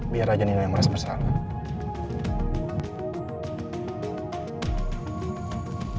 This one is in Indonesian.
biar aja nino yang merasa bersalah